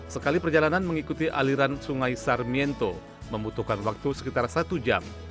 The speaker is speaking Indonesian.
sekali perjalanan mengikuti aliran sungai sarmiento membutuhkan waktu sekitar satu jam